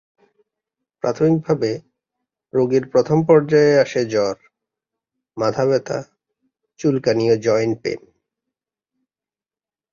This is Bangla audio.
প্রাথমিকভাবে, রোগের প্রথম পর্যায়ে আসে জ্বর, মাথাব্যথা, চুলকানি ও জয়েন্ট পেন।